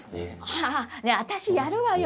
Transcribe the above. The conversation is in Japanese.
ああ私やるわよ。